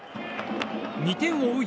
２点を追う